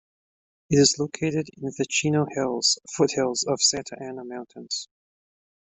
It is located in the Chino Hills, foothills of the Santa Ana Mountains.